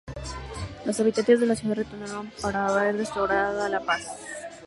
Los habitantes de la ciudad retornaron una vez restaurada la paz.